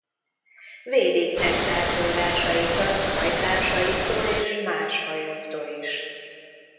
Védik nektár forrásaikat fajtársaiktól és más fajoktól is.